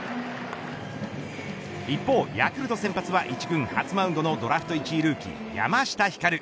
一方ヤクルト先発は１軍初マウンドのドラフト１位ルーキー山下輝。